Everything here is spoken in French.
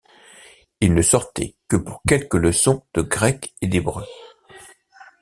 Il ne sortait que pour quelques leçons de grec et d'hébreu.